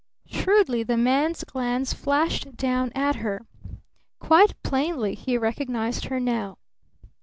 Shrewdly the man's glance flashed down at her. Quite plainly he recognized her now.